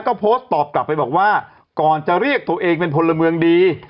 ก็โพสต์ตอบกลับไปบอกว่าก่อนจะเรียกตัวเองเป็นพลเมืองดี